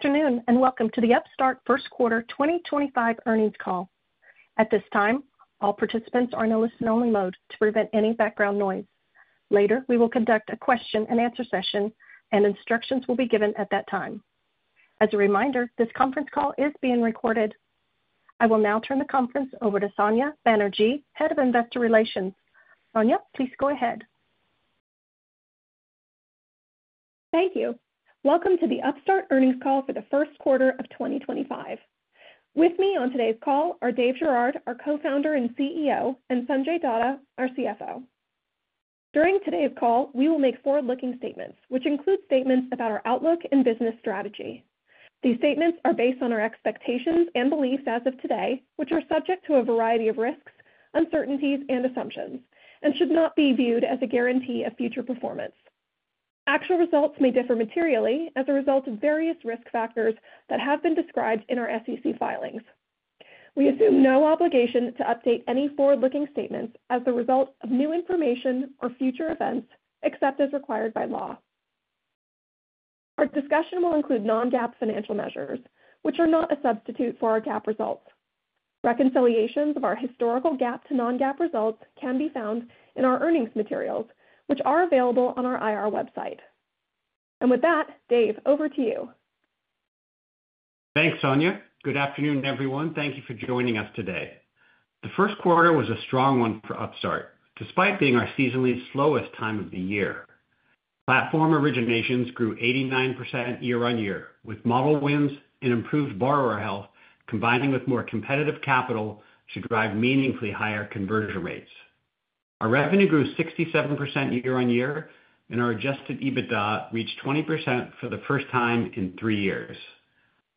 Good afternoon and welcome to the Upstart First Quarter 2025 earnings call. At this time, all participants are in a listen-only mode to prevent any background noise. Later, we will conduct a question-and-answer session, and instructions will be given at that time. As a reminder, this conference call is being recorded. I will now turn the conference over to Sonya Banerjee, Head of Investor Relations. Sonya, please go ahead. Thank you. Welcome to the Upstart earnings call for the first quarter of 2025. With me on today's call are Dave Girouard, our Co-founder and CEO, and Sanjay Datta, our CFO. During today's call, we will make forward-looking statements, which include statements about our outlook and business strategy. These statements are based on our expectations and beliefs as of today, which are subject to a variety of risks, uncertainties, and assumptions, and should not be viewed as a guarantee of future performance. Actual results may differ materially as a result of various risk factors that have been described in our SEC filings. We assume no obligation to update any forward-looking statements as the result of new information or future events, except as required by law. Our discussion will include non-GAAP financial measures, which are not a substitute for our GAAP results. Reconciliations of our historical GAAP to non-GAAP results can be found in our earnings materials, which are available on our IR website. With that, Dave, over to you. Thanks, Sonya. Good afternoon, everyone. Thank you for joining us today. The first quarter was a strong one for Upstart, despite being our seasonally slowest time of the year. Platform originations grew 89% year-on-year, with model wins and improved borrower health combining with more competitive capital to drive meaningfully higher conversion rates. Our revenue grew 67% year-on-year, and our adjusted EBITDA reached 20% for the first time in three years.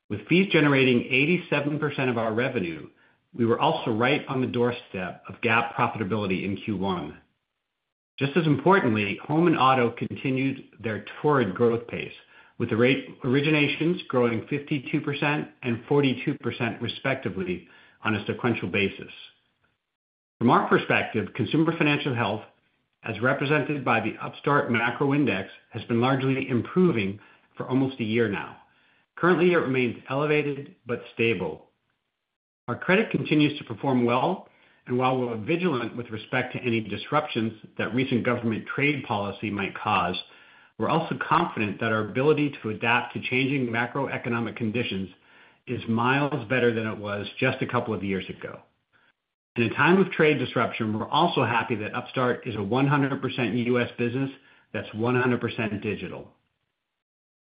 With fees generating 87% of our revenue, we were also right on the doorstep of GAAP profitability in Q1. Just as importantly, home and auto continued their torrid growth pace, with originations growing 52% and 42% respectively on a sequential basis. From our perspective, consumer financial health, as represented by the Upstart Macro Index, has been largely improving for almost a year now. Currently, it remains elevated but stable. Our credit continues to perform well, and while we're vigilant with respect to any disruptions that recent government trade policy might cause, we're also confident that our ability to adapt to changing macroeconomic conditions is miles better than it was just a couple of years ago. In a time of trade disruption, we're also happy that Upstart is a 100% U.S. business that's 100% digital.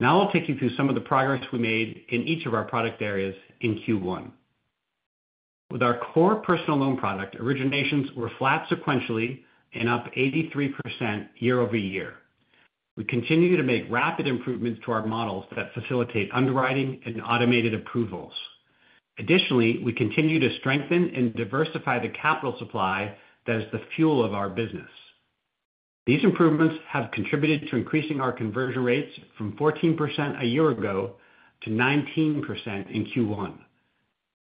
Now I'll take you through some of the progress we made in each of our product areas in Q1. With our core personal loan product, originations were flat sequentially and up 83% year-over-year. We continue to make rapid improvements to our models that facilitate underwriting and automated approvals. Additionally, we continue to strengthen and diversify the capital supply that is the fuel of our business. These improvements have contributed to increasing our conversion rates from 14% a year ago to 19% in Q1.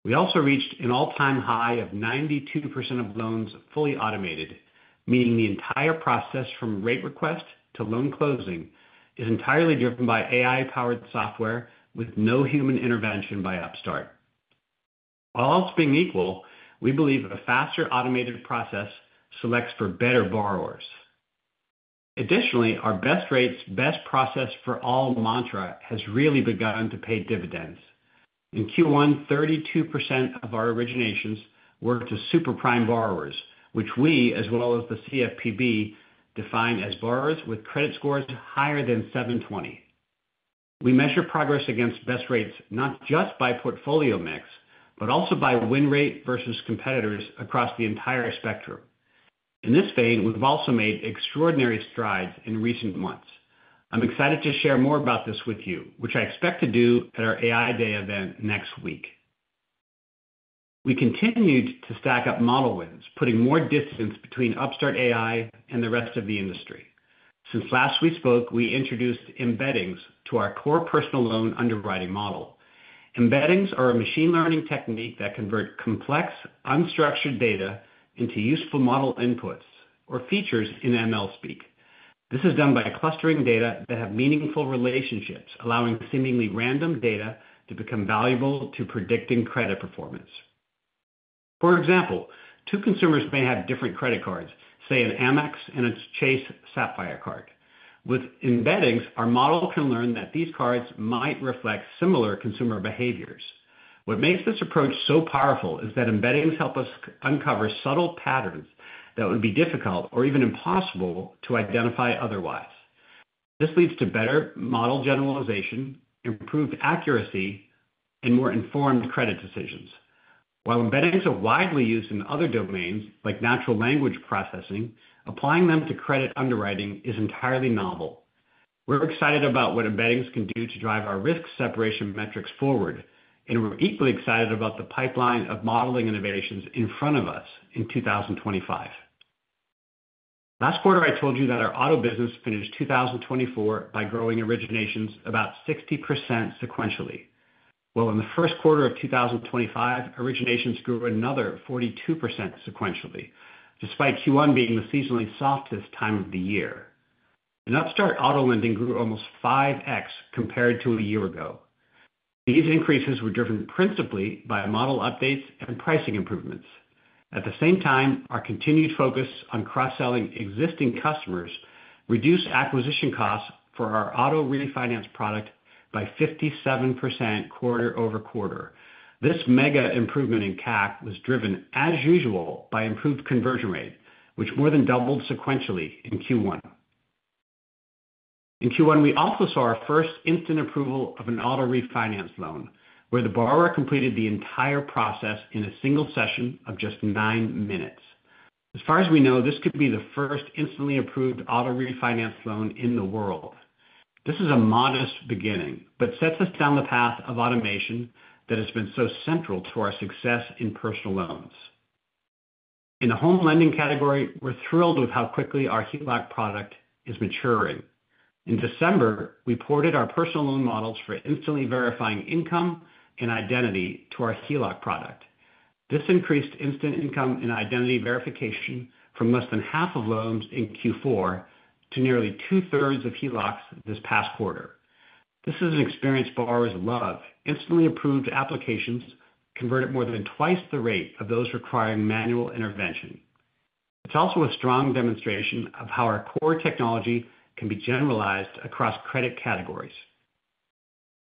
We also reached an all-time high of 92% of loans fully automated, meaning the entire process from rate request to loan closing is entirely driven by AI-powered software with no human intervention by Upstart. While else being equal, we believe a faster automated process selects for better borrowers. Additionally, our best rates, best process for all mantra has really begun to pay dividends. In Q1, 32% of our originations were to super prime borrowers, which we, as well as the CFPB, define as borrowers with credit scores higher than 720. We measure progress against best rates not just by portfolio mix, but also by win rate versus competitors across the entire spectrum. In this vein, we've also made extraordinary strides in recent months. I'm excited to share more about this with you, which I expect to do at our AI Day event next week. We continued to stack up model wins, putting more distance between Upstart AI and the rest of the industry. Since last we spoke, we introduced embeddings to our core personal loan underwriting model. Embeddings are a machine learning technique that converts complex, unstructured data into useful model inputs or features in ML speak. This is done by clustering data that have meaningful relationships, allowing seemingly random data to become valuable to predicting credit performance. For example, two consumers may have different credit cards, say an Amex and a Chase Sapphire card. With embeddings, our model can learn that these cards might reflect similar consumer behaviors. What makes this approach so powerful is that embeddings help us uncover subtle patterns that would be difficult or even impossible to identify otherwise. This leads to better model generalization, improved accuracy, and more informed credit decisions. While embeddings are widely used in other domains like natural language processing, applying them to credit underwriting is entirely novel. We're excited about what embeddings can do to drive our risk separation metrics forward, and we're equally excited about the pipeline of modeling innovations in front of us in 2025. Last quarter, I told you that our auto business finished 2024 by growing originations about 60% sequentially. In the first quarter of 2025, originations grew another 42% sequentially, despite Q1 being the seasonally softest time of the year. In Upstart, auto lending grew almost 5x compared to a year ago. These increases were driven principally by model updates and pricing improvements. At the same time, our continued focus on cross-selling existing customers reduced acquisition costs for our auto refinance product by 57% quarter over quarter. This mega improvement in CAC was driven, as usual, by improved conversion rate, which more than doubled sequentially in Q1. In Q1, we also saw our first instant approval of an auto refinance loan, where the borrower completed the entire process in a single session of just nine minutes. As far as we know, this could be the first instantly approved auto refinance loan in the world. This is a modest beginning, but sets us down the path of automation that has been so central to our success in personal loans. In the home lending category, we're thrilled with how quickly our HELOC product is maturing. In December, we ported our personal loan models for instantly verifying income and identity to our HELOC product. This increased instant income and identity verification for less than half of loans in Q4 to nearly two-thirds of HELOCs this past quarter. This is an experience borrowers love. Instantly approved applications convert at more than twice the rate of those requiring manual intervention. It's also a strong demonstration of how our core technology can be generalized across credit categories.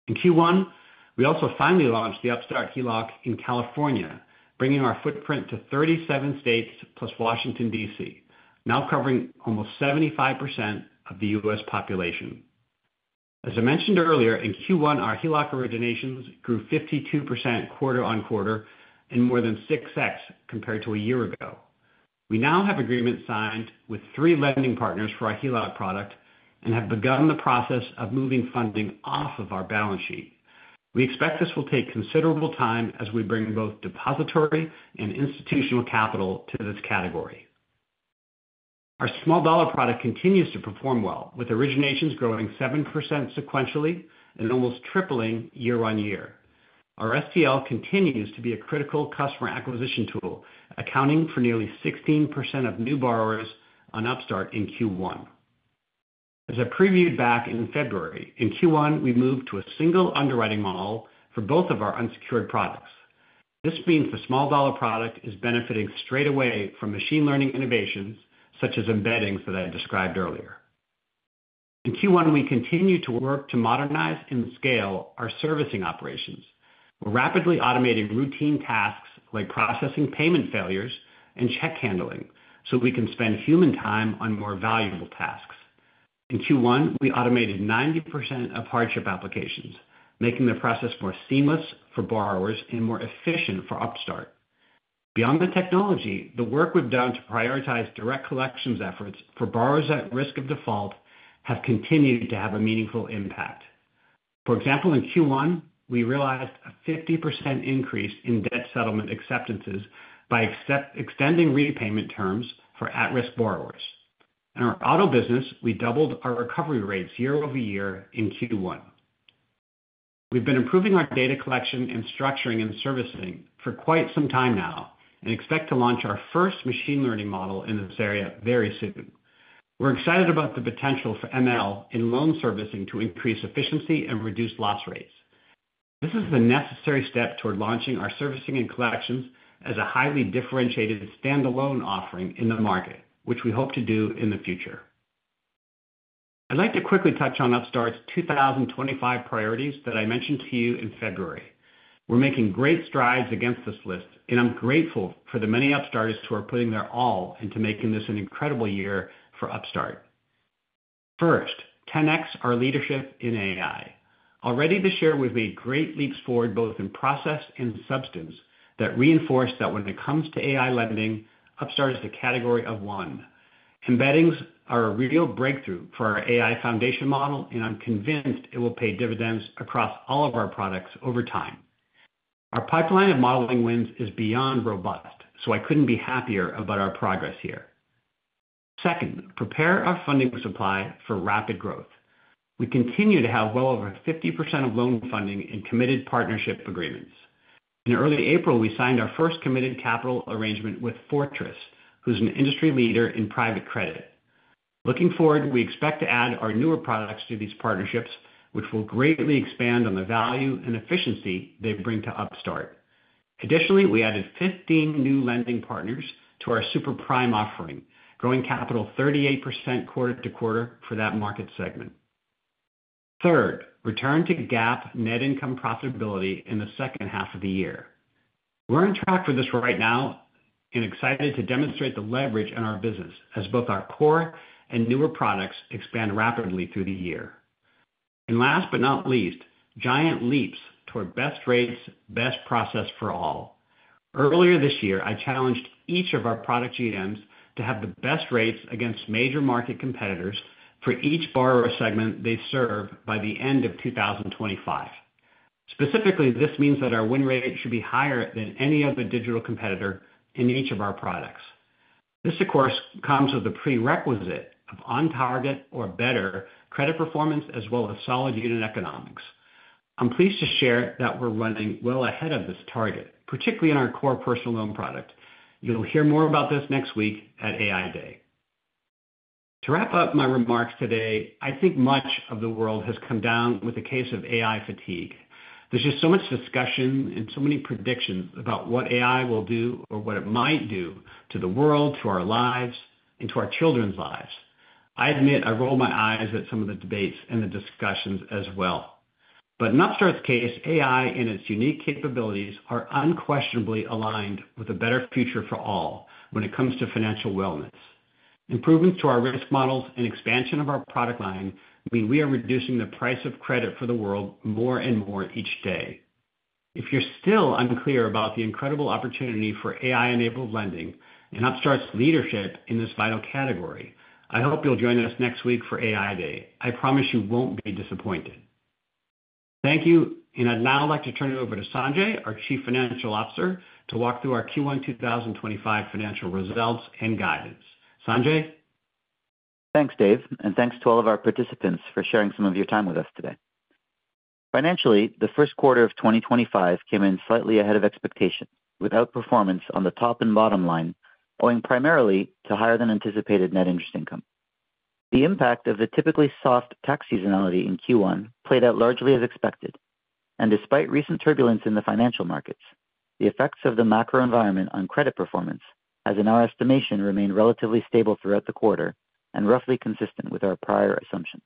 In Q1, we also finally launched the Upstart HELOC in California, bringing our footprint to 37 states plus Washington, D.C., now covering almost 75% of the U.S. population. As I mentioned earlier, in Q1, our HELOC originations grew 52% quarter on quarter and more than 6x compared to a year ago. We now have agreements signed with three lending partners for our HELOC product and have begun the process of moving funding off of our balance sheet. We expect this will take considerable time as we bring both depository and institutional capital to this category. Our small dollar product continues to perform well, with originations growing 7% sequentially and almost tripling year-on-year. Our STL continues to be a critical customer acquisition tool, accounting for nearly 16% of new borrowers on Upstart in Q1. As I previewed back in February, in Q1, we moved to a single underwriting model for both of our unsecured products. This means the small dollar product is benefiting straight away from machine learning innovations such as embeddings that I described earlier. In Q1, we continue to work to modernize and scale our servicing operations. We are rapidly automating routine tasks like processing payment failures and check handling so we can spend human time on more valuable tasks. In Q1, we automated 90% of hardship applications, making the process more seamless for borrowers and more efficient for Upstart. Beyond the technology, the work we have done to prioritize direct collections efforts for borrowers at risk of default has continued to have a meaningful impact. For example, in Q1, we realized a 50% increase in debt settlement acceptances by extending repayment terms for at-risk borrowers. In our auto business, we doubled our recovery rates year-over-year in Q1. We've been improving our data collection and structuring and servicing for quite some time now and expect to launch our first machine learning model in this area very soon. We're excited about the potential for ML in loan servicing to increase efficiency and reduce loss rates. This is the necessary step toward launching our servicing and collections as a highly differentiated standalone offering in the market, which we hope to do in the future. I'd like to quickly touch on Upstart's 2025 priorities that I mentioned to you in February. We're making great strides against this list, and I'm grateful for the many Upstartists who are putting their all into making this an incredible year for Upstart. First, 10x our leadership in AI. Already, this year we've made great leaps forward both in process and substance that reinforce that when it comes to AI lending, Upstart is the category of one. Embeddings are a real breakthrough for our AI foundation model, and I'm convinced it will pay dividends across all of our products over time. Our pipeline of modeling wins is beyond robust, so I couldn't be happier about our progress here. Second, prepare our funding supply for rapid growth. We continue to have well over 50% of loan funding in committed partnership agreements. In early April, we signed our first committed capital arrangement with Fortress, who's an industry leader in private credit. Looking forward, we expect to add our newer products to these partnerships, which will greatly expand on the value and efficiency they bring to Upstart. Additionally, we added 15 new lending partners to our super prime offering, growing capital 38% quarter to quarter for that market segment. Third, return to GAAP net income profitability in the second half of the year. We're on track for this right now and excited to demonstrate the leverage in our business as both our core and newer products expand rapidly through the year. Last but not least, giant leaps toward best rates, best process for all. Earlier this year, I challenged each of our product GMs to have the best rates against major market competitors for each borrower segment they serve by the end of 2025. Specifically, this means that our win rate should be higher than any other digital competitor in each of our products. This, of course, comes with the prerequisite of on-target or better credit performance as well as solid unit economics. I'm pleased to share that we're running well ahead of this target, particularly in our core personal loan product. You'll hear more about this next week at AI Day. To wrap up my remarks today, I think much of the world has come down with a case of AI fatigue. There's just so much discussion and so many predictions about what AI will do or what it might do to the world, to our lives, and to our children's lives. I admit I rolled my eyes at some of the debates and the discussions as well. In Upstart's case, AI and its unique capabilities are unquestionably aligned with a better future for all when it comes to financial wellness. Improvements to our risk models and expansion of our product line mean we are reducing the price of credit for the world more and more each day. If you're still unclear about the incredible opportunity for AI-enabled lending and Upstart's leadership in this vital category, I hope you'll join us next week for AI Day. I promise you won't be disappointed. Thank you, and I'd now like to turn it over to Sanjay, our Chief Financial Officer, to walk through our Q1 2025 financial results and guidance. Sanjay? Thanks, Dave, and thanks to all of our participants for sharing some of your time with us today. Financially, the first quarter of 2025 came in slightly ahead of expectations with outperformance on the top and bottom line, going primarily to higher than anticipated net interest income. The impact of the typically soft tax seasonality in Q1 played out largely as expected, and despite recent turbulence in the financial markets, the effects of the macro environment on credit performance has, in our estimation, remained relatively stable throughout the quarter and roughly consistent with our prior assumptions.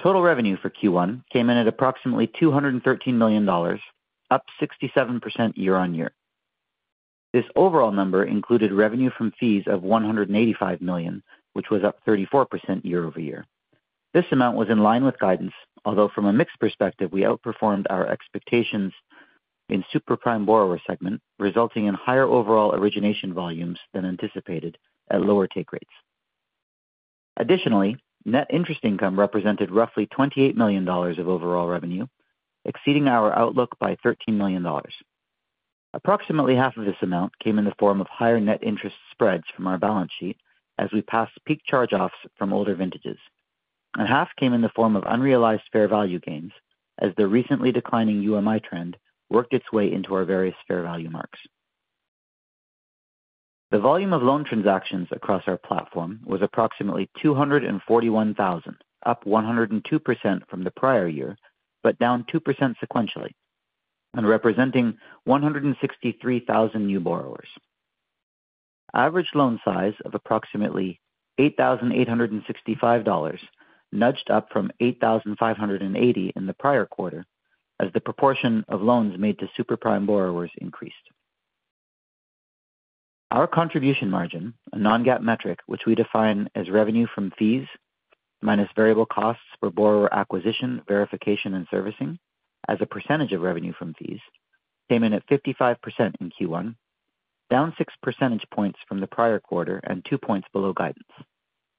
Total revenue for Q1 came in at approximately $213 million, up 67% year-on-year. This overall number included revenue from fees of $185 million, which was up 34% year-over-year. This amount was in line with guidance, although from a mixed perspective, we outperformed our expectations in super prime borrower segment, resulting in higher overall origination volumes than anticipated at lower take rates. Additionally, net interest income represented roughly $28 million of overall revenue, exceeding our outlook by $13 million. Approximately half of this amount came in the form of higher net interest spreads from our balance sheet as we passed peak charge-offs from older vintages, and half came in the form of unrealized fair value gains as the recently declining UMI trend worked its way into our various fair value marks. The volume of loan transactions across our platform was approximately 241,000, up 102% from the prior year but down 2% sequentially, and representing 163,000 new borrowers. Average loan size of approximately $8,865 nudged up from $8,580 in the prior quarter as the proportion of loans made to super prime borrowers increased. Our contribution margin, a non-GAAP metric which we define as revenue from fees minus variable costs for borrower acquisition, verification, and servicing as a percentage of revenue from fees, came in at 55% in Q1, down 6 percentage points from the prior quarter and 2 points below guidance,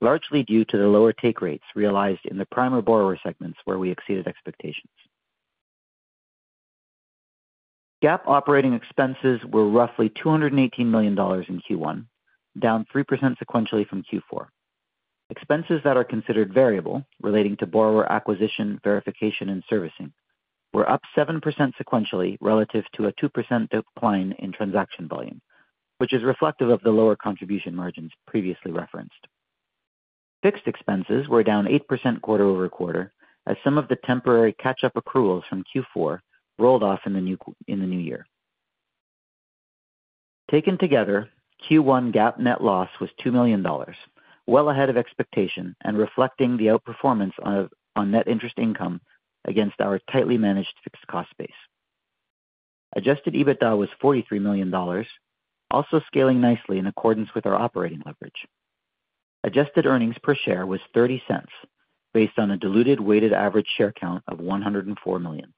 largely due to the lower take rates realized in the primary borrower segments where we exceeded expectations. GAAP operating expenses were roughly $218 million in Q1, down 3% sequentially from Q4. Expenses that are considered variable relating to borrower acquisition, verification, and servicing were up 7% sequentially relative to a 2% decline in transaction volume, which is reflective of the lower contribution margins previously referenced. Fixed expenses were down 8% quarter over quarter as some of the temporary catch-up accruals from Q4 rolled off in the new year. Taken together, Q1 GAAP net loss was $2 million, well ahead of expectation and reflecting the outperformance on net interest income against our tightly managed fixed cost base. Adjusted EBITDA was $43 million, also scaling nicely in accordance with our operating leverage. Adjusted earnings per share was $0.30 based on a diluted weighted average share count of 104 million.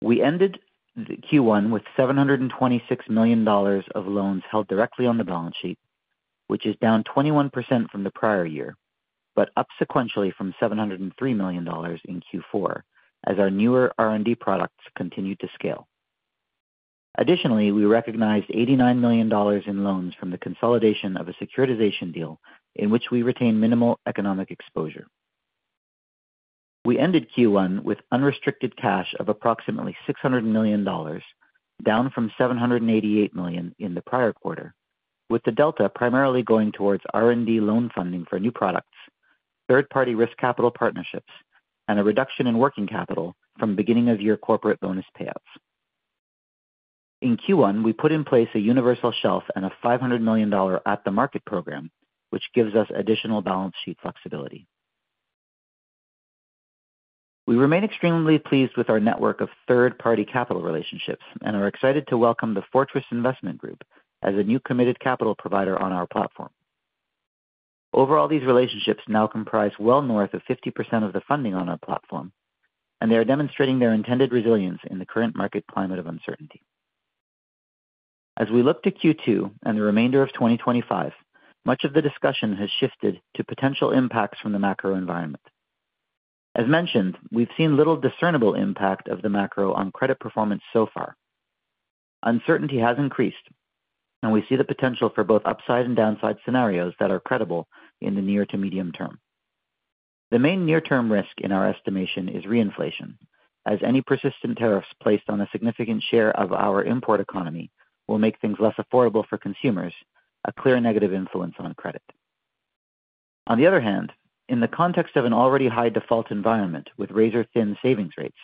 We ended Q1 with $726 million of loans held directly on the balance sheet, which is down 21% from the prior year but up sequentially from $703 million in Q4 as our newer R&D products continued to scale. Additionally, we recognized $89 million in loans from the consolidation of a securitization deal in which we retained minimal economic exposure. We ended Q1 with unrestricted cash of approximately $600 million, down from $788 million in the prior quarter, with the delta primarily going towards R&D loan funding for new products, third-party risk capital partnerships, and a reduction in working capital from beginning-of-year corporate bonus payouts. In Q1, we put in place a universal shelf and a $500 million at-the-market program, which gives us additional balance sheet flexibility. We remain extremely pleased with our network of third-party capital relationships and are excited to welcome the Fortress Investment Group as a new committed capital provider on our platform. Overall, these relationships now comprise well north of 50% of the funding on our platform, and they are demonstrating their intended resilience in the current market climate of uncertainty. As we look to Q2 and the remainder of 2025, much of the discussion has shifted to potential impacts from the macro environment. As mentioned, we've seen little discernible impact of the macro on credit performance so far. Uncertainty has increased, and we see the potential for both upside and downside scenarios that are credible in the near to medium term. The main near-term risk in our estimation is reinflation, as any persistent tariffs placed on a significant share of our import economy will make things less affordable for consumers, a clear negative influence on credit. On the other hand, in the context of an already high default environment with razor-thin savings rates,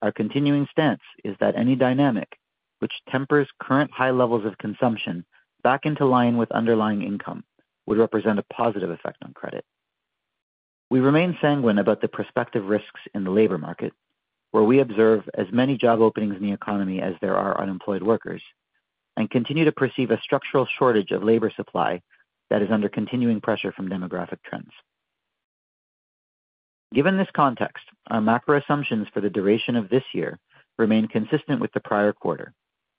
our continuing stance is that any dynamic which tempers current high levels of consumption back into line with underlying income would represent a positive effect on credit. We remain sanguine about the prospective risks in the labor market, where we observe as many job openings in the economy as there are unemployed workers, and continue to perceive a structural shortage of labor supply that is under continuing pressure from demographic trends. Given this context, our macro assumptions for the duration of this year remain consistent with the prior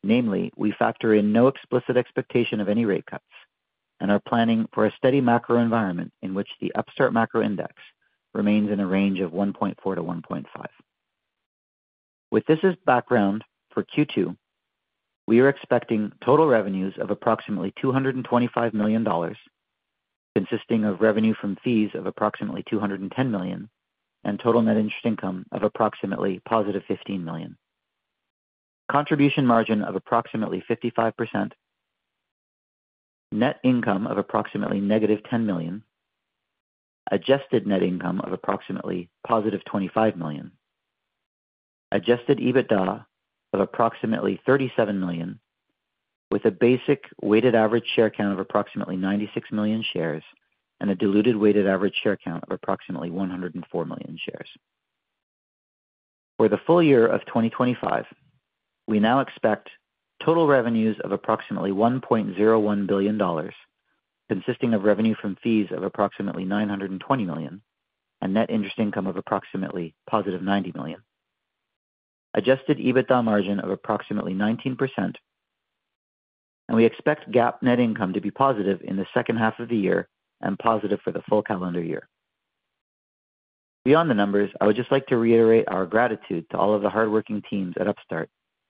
quarter. Namely, we factor in no explicit expectation of any rate cuts and are planning for a steady macro environment in which the Upstart Macro Index remains in a range of 1.4-1.5. With this as background for Q2, we are expecting total revenues of approximately $225 million, consisting of revenue from fees of approximately $210 million and total net interest income of approximately positive $15 million. Contribution margin of approximately 55%, net income of approximately negative $10 million, adjusted net income of approximately positive $25 million, adjusted EBITDA of approximately $37 million, with a basic weighted average share count of approximately 96 million shares and a diluted weighted average share count of approximately 104 million shares. For the full year of 2025, we now expect total revenues of approximately $1.01 billion, consisting of revenue from fees of approximately $920 million and net interest income of approximately positive $90 million, adjusted EBITDA margin of approximately 19%, and we expect GAAP net income to be positive in the second half of the year and positive for the full calendar year. Beyond the numbers, I would just like to reiterate our gratitude to all of the hardworking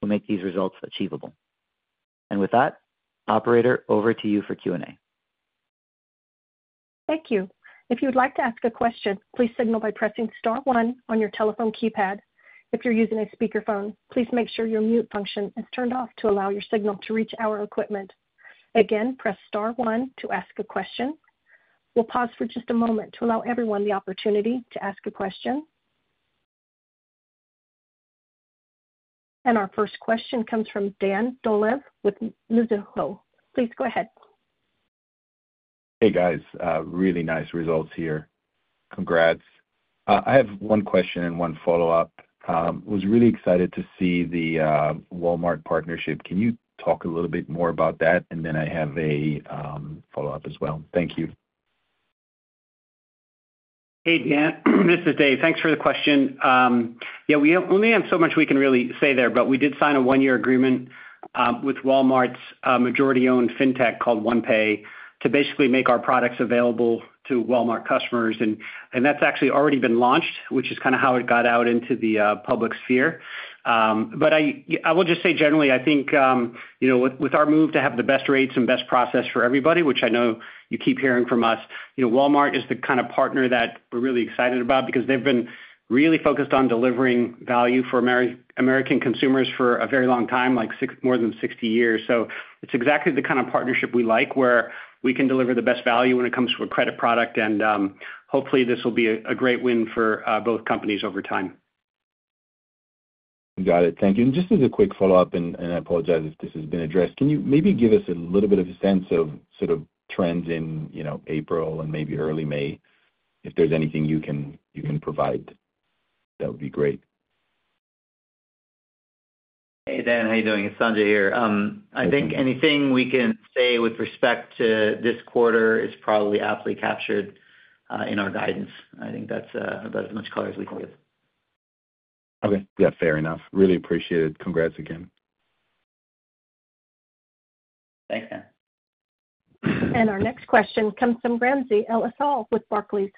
teams at Upstart who make these results achievable. With that, Operator, over to you for Q&A. Thank you. If you would like to ask a question, please signal by pressing Star 1 on your telephone keypad. If you're using a speakerphone, please make sure your mute function is turned off to allow your signal to reach our equipment. Again, press Star 1 to ask a question. We'll pause for just a moment to allow everyone the opportunity to ask a question. Our first question comes from Dan Dole with Mizuho. Please go ahead. Hey, guys. Really nice results here. Congrats. I have one question and one follow-up. I was really excited to see the Walmart partnership. Can you talk a little bit more about that? I have a follow-up as well. Thank you. Hey, Dan. This is Dave. Thanks for the question. Yeah, we only have so much we can really say there, but we did sign a one-year agreement with Walmart's majority-owned fintech called OnePay to basically make our products available to Walmart customers. That is actually already been launched, which is kind of how it got out into the public sphere. I will just say generally, I think with our move to have the best rates and best process for everybody, which I know you keep hearing from us, Walmart is the kind of partner that we are really excited about because they have been really focused on delivering value for American consumers for a very long time, like more than 60 years. It is exactly the kind of partnership we like where we can deliver the best value when it comes to a credit product. Hopefully, this will be a great win for both companies over time. Got it. Thank you. And just as a quick follow-up, and I apologize if this has been addressed, can you maybe give us a little bit of a sense of sort of trends in April and maybe early May? If there's anything you can provide, that would be great. Hey, Dan. How are you doing? It's Sanjay here. I think anything we can say with respect to this quarter is probably aptly captured in our guidance. I think that's about as much color as we can give. Okay. Yeah, fair enough. Really appreciate it. Congrats again. Thanks, Dan. And our next question comes from Ramsey El-Assall with Barclays.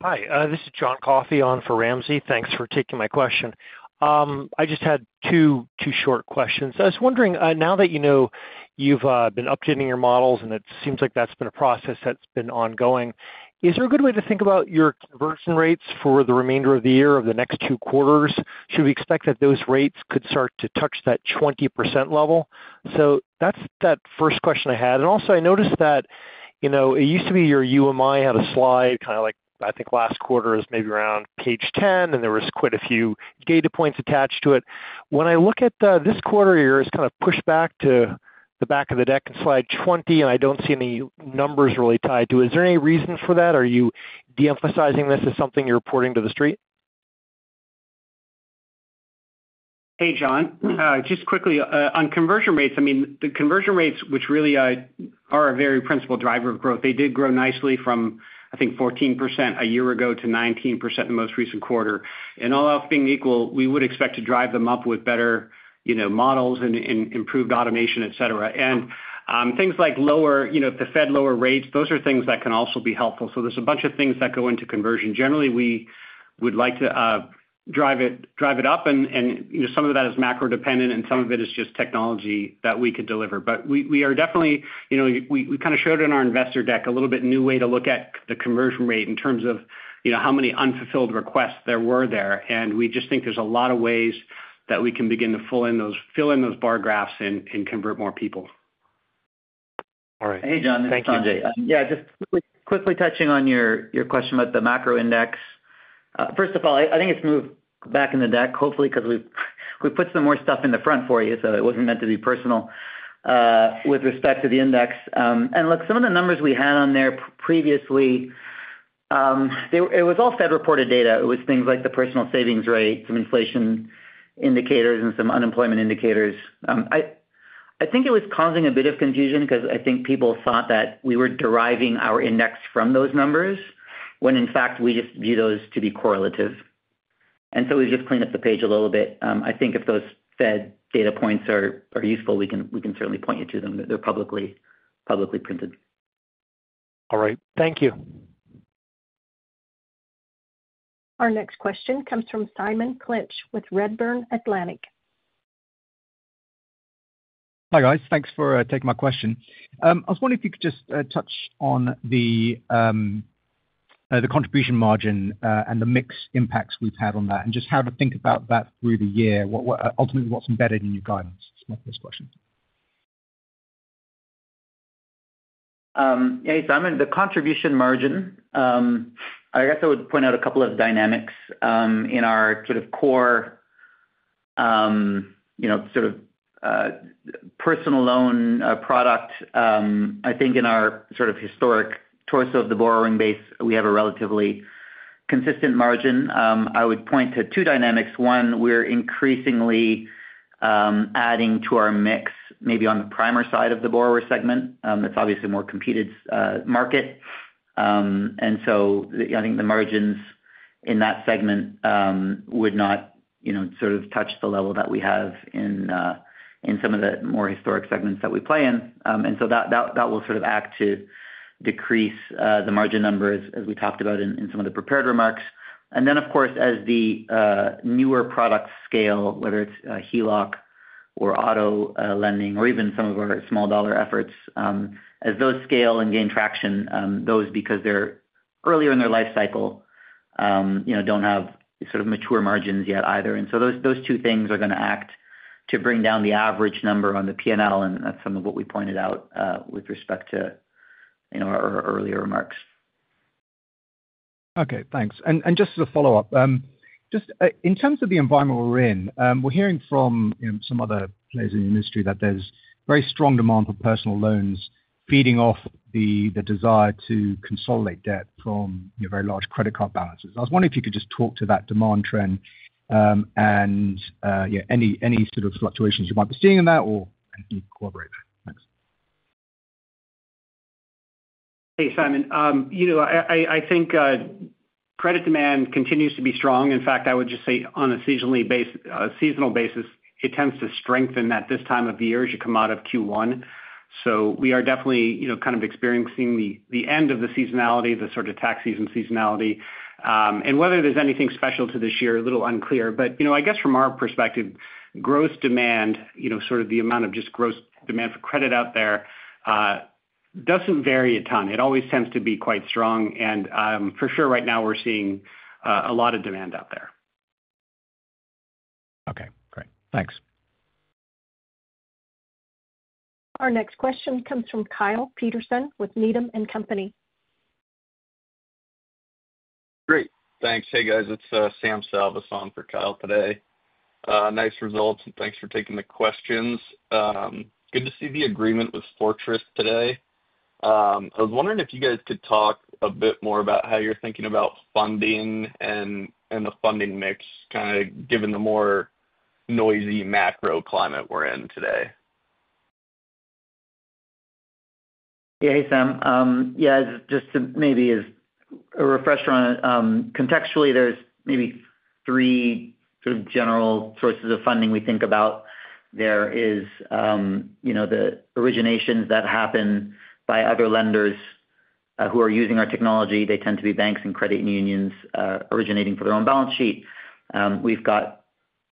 Hi. This is John Coffey on for Ramsey. Thanks for taking my question. I just had two short questions. I was wondering, now that you know you've been updating your models and it seems like that's been a process that's been ongoing, is there a good way to think about your conversion rates for the remainder of the year or the next two quarters? Should we expect that those rates could start to touch that 20% level? That is that first question I had. Also, I noticed that it used to be your UMI had a slide kind of like, I think last quarter it was maybe around page 10, and there were quite a few data points attached to it. When I look at this quarter, it's kind of pushed back to the back of the deck on slide 20, and I do not see any numbers really tied to it. Is there any reason for that? Are you de-emphasizing this as something you're reporting to the street? Hey, John. Just quickly, on conversion rates, I mean, the conversion rates, which really are a very principal driver of growth, they did grow nicely from, I think, 14% a year ago to 19% in the most recent quarter. All else being equal, we would expect to drive them up with better models and improved automation, etc. Things like if the Fed lowers rates, those are things that can also be helpful. There is a bunch of things that go into conversion. Generally, we would like to drive it up. Some of that is macro-dependent, and some of it is just technology that we could deliver. We definitely kind of showed it in our investor deck, a little bit new way to look at the conversion rate in terms of how many unfulfilled requests there were there. We just think there are a lot of ways that we can begin to fill in those bar graphs and convert more people. All right. Hey, John. This is Sanjay. Yeah, just quickly touching on your question about the macro index. First of all, I think it has moved back in the deck, hopefully because we have put some more stuff in the front for you, so it was not meant to be personal with respect to the index. Look, some of the numbers we had on there previously, it was all Fed-reported data. It was things like the personal savings rate, some inflation indicators, and some unemployment indicators. I think it was causing a bit of confusion because I think people thought that we were deriving our index from those numbers when, in fact, we just view those to be correlative. We've just cleaned up the page a little bit. I think if those Fed data points are useful, we can certainly point you to them. They're publicly printed. All right. Thank you. Our next question comes from Simon Clinch with Redburn Atlantic. Hi, guys. Thanks for taking my question. I was wondering if you could just touch on the contribution margin and the mixed impacts we've had on that and just how to think about that through the year. Ultimately, what's embedded in your guidance? That's my first question. Yeah, Simon, the contribution margin, I guess I would point out a couple of dynamics in our sort of core sort of personal loan product. I think in our sort of historic choice of the borrowing base, we have a relatively consistent margin. I would point to two dynamics. One, we're increasingly adding to our mix maybe on the primer side of the borrower segment. It's obviously a more competed market. I think the margins in that segment would not sort of touch the level that we have in some of the more historic segments that we play in. That will sort of act to decrease the margin numbers, as we talked about in some of the prepared remarks. Of course, as the newer products scale, whether it's HELOC or auto lending or even some of our small-dollar efforts, as those scale and gain traction, those, because they're earlier in their life cycle, don't have sort of mature margins yet either. Those two things are going to act to bring down the average number on the P&L and some of what we pointed out with respect to our earlier remarks. Okay. Thanks. And just as a follow-up, just in terms of the environment we're in, we're hearing from some other players in the industry that there's very strong demand for personal loans feeding off the desire to consolidate debt from very large credit card balances. I was wondering if you could just talk to that demand trend and any sort of fluctuations you might be seeing in that or cooperate with that. Thanks. Hey, Simon. I think credit demand continues to be strong. In fact, I would just say on a seasonal basis, it tends to strengthen at this time of year as you come out of Q1. We are definitely kind of experiencing the end of the seasonality, the sort of tax season seasonality. Whether there's anything special to this year, a little unclear. I guess from our perspective, gross demand, sort of the amount of just gross demand for credit out there does not vary a ton. It always tends to be quite strong. For sure, right now, we are seeing a lot of demand out there. Okay. Great. Thanks. Our next question comes from Kyle Peterson with Needham & Company. Great. Thanks. Hey, guys. It is Sam Salvas for Kyle today. Nice results. Thanks for taking the questions. Good to see the agreement with Fortress today. I was wondering if you guys could talk a bit more about how you are thinking about funding and the funding mix, kind of given the more noisy macro climate we are in today. Yeah. Hey, Sam. Yeah, just maybe as a refresher on it, contextually, there are maybe three sort of general sources of funding we think about. There is the originations that happen by other lenders who are using our technology. They tend to be banks and credit unions originating for their own balance sheet. We've got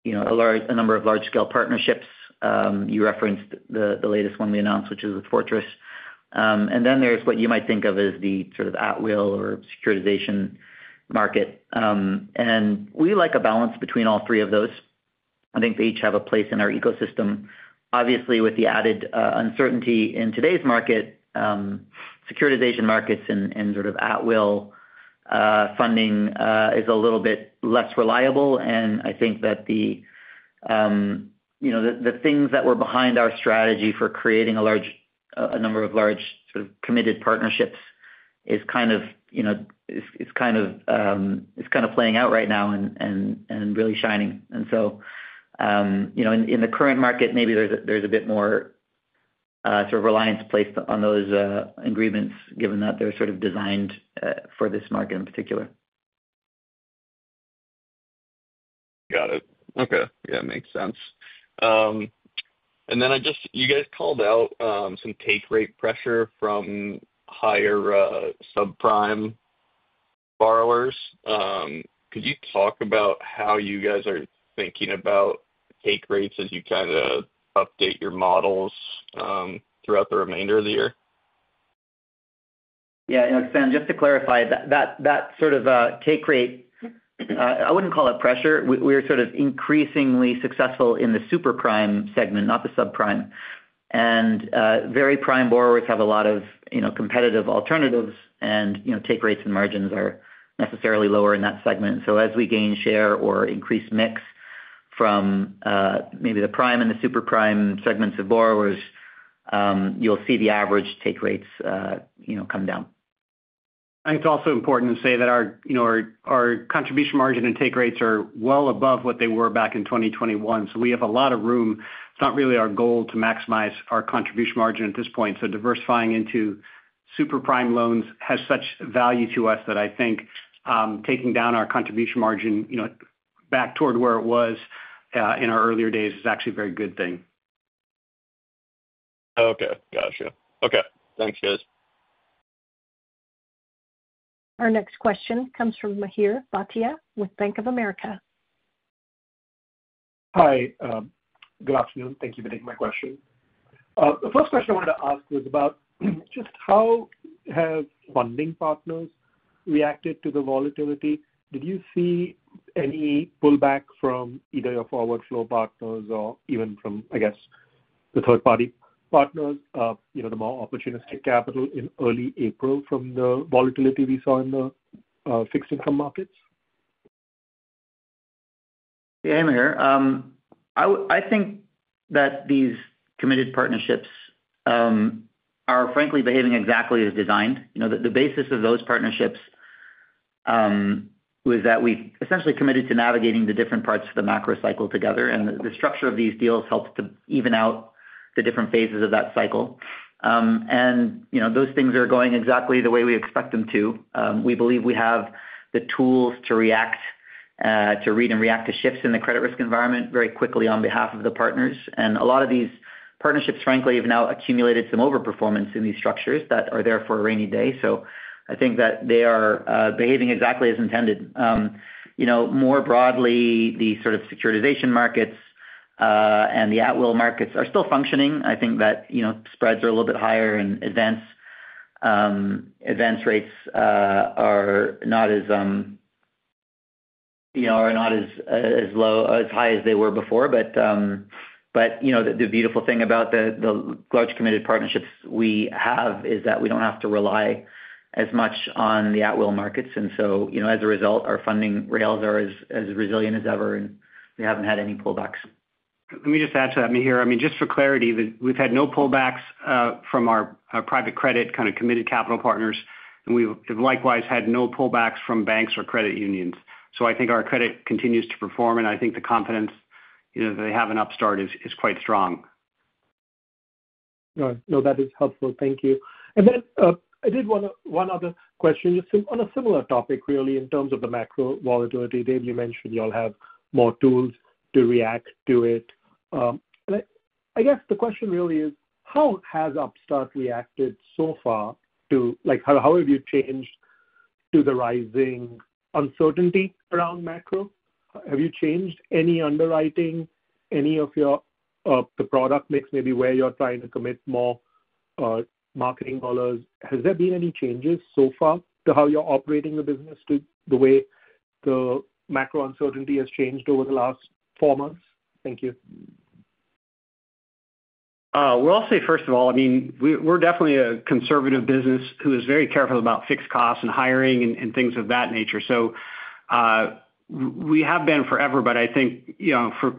a number of large-scale partnerships. You referenced the latest one we announced, which is with Fortress. There is what you might think of as the sort of at-will or securitization market. We like a balance between all three of those. I think they each have a place in our ecosystem. Obviously, with the added uncertainty in today's market, securitization markets and sort of at-will funding is a little bit less reliable. I think that the things that were behind our strategy for creating a number of large sort of committed partnerships is kind of playing out right now and really shining. In the current market, maybe there is a bit more sort of reliance placed on those agreements, given that they are sort of designed for this market in particular. Got it. Okay. Yeah, makes sense. You guys called out some take rate pressure from higher subprime borrowers. Could you talk about how you guys are thinking about take rates as you kind of update your models throughout the remainder of the year? Yeah. San, just to clarify, that sort of take rate, I would not call it pressure. We are sort of increasingly successful in the super prime segment, not the subprime. Very prime borrowers have a lot of competitive alternatives, and take rates and margins are necessarily lower in that segment. As we gain share or increase mix from maybe the prime and the super prime segments of borrowers, you will see the average take rates come down. It is also important to say that our contribution margin and take rates are well above what they were back in 2021. We have a lot of room. It is not really our goal to maximize our contribution margin at this point. Diversifying into super prime loans has such value to us that I think taking down our contribution margin back toward where it was in our earlier days is actually a very good thing. Okay. Gotcha. Okay. Thanks, guys. Our next question comes from Mihir Bhatia with Bank of America. Hi. Good afternoon. Thank you for taking my question. The first question I wanted to ask was about just how have funding partners reacted to the volatility? Did you see any pullback from either your forward flow partners or even from, I guess, the third-party partners, the more opportunistic capital in early April from the volatility we saw in the fixed income markets? Yeah, Mihir. I think that these committed partnerships are, frankly, behaving exactly as designed. The basis of those partnerships was that we essentially committed to navigating the different parts of the macro cycle together. The structure of these deals helped to even out the different phases of that cycle. Those things are going exactly the way we expect them to. We believe we have the tools to react, to read and react to shifts in the credit risk environment very quickly on behalf of the partners. A lot of these partnerships, frankly, have now accumulated some overperformance in these structures that are there for a rainy day. I think that they are behaving exactly as intended. More broadly, the sort of securitization markets and the at-will markets are still functioning. I think that spreads are a little bit higher, and advance rates are not as high as they were before. The beautiful thing about the large committed partnerships we have is that we do not have to rely as much on the at-will markets. As a result, our funding rails are as resilient as ever, and we have not had any pullbacks. Let me just add to that, Mihir. I mean, just for clarity, we have had no pullbacks from our private credit kind of committed capital partners, and we have likewise had no pullbacks from banks or credit unions. I think our credit continues to perform, and I think the confidence that they have in Upstart is quite strong. No, that is helpful. Thank you. I did want one other question on a similar topic, really, in terms of the macro volatility. Dave, you mentioned you all have more tools to react to it. I guess the question really is, how has Upstart reacted so far to how have you changed to the rising uncertainty around macro? Have you changed any underwriting, any of your product mix, maybe where you're trying to commit more marketing dollars? Has there been any changes so far to how you're operating the business, to the way the macro uncertainty has changed over the last four months? Thank you. I will say, first of all, I mean, we're definitely a conservative business who is very careful about fixed costs and hiring and things of that nature. We have been forever, but I think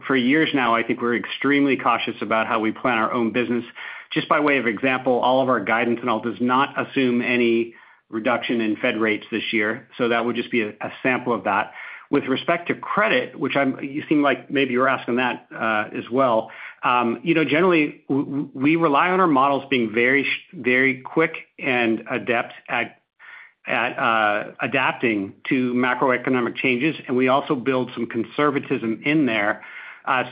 for years now, I think we're extremely cautious about how we plan our own business. Just by way of example, all of our guidance and all does not assume any reduction in Fed rates this year. That would just be a sample of that. With respect to credit, which you seem like maybe you're asking that as well, generally, we rely on our models being very, very quick and adept at adapting to macroeconomic changes. We also build some conservatism in there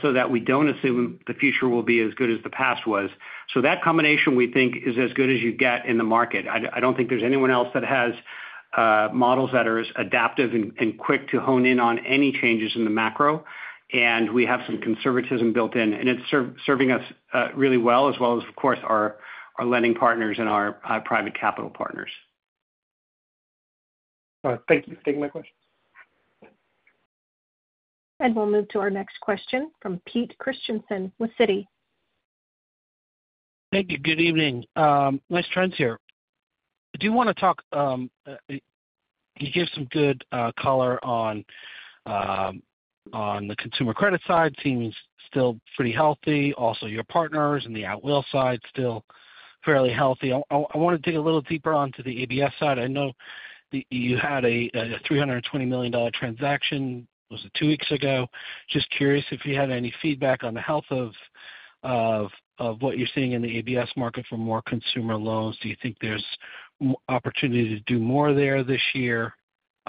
so that we don't assume the future will be as good as the past was. That combination, we think, is as good as you get in the market. I don't think there's anyone else that has models that are as adaptive and quick to hone in on any changes in the macro. We have some conservatism built in, and it's serving us really well, as well as, of course, our lending partners and our private capital partners. All right. Thank you for taking my question. We'll move to our next question from Pete Christiansen with Citi. Thank you. Good evening. Nice trends here. I do want to talk, you gave some good color on the consumer credit side. Seems still pretty healthy. Also, your partners and the Atwheel side still fairly healthy. I want to dig a little deeper onto the ABS side. I know you had a $320 million transaction. Was it two weeks ago? Just curious if you had any feedback on the health of what you're seeing in the ABS market for more consumer loans. Do you think there's opportunity to do more there this year?